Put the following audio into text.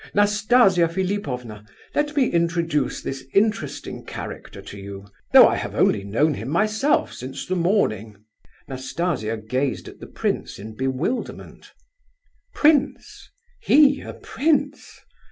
Nastasia Philipovna, let me introduce this interesting character to you—though I have only known him myself since the morning." Nastasia gazed at the prince in bewilderment. "Prince? He a Prince?